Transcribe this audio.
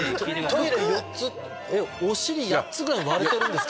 トイレ４つ⁉お尻８つぐらい割れてる？